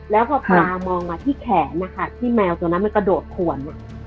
แล้วพอปลามองมาที่แขนนะคะที่แมวตัวนั้นมันกระโดดขวน